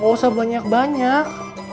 gak usah banyak banyak